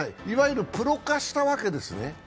いわゆるプロ化したわけですね？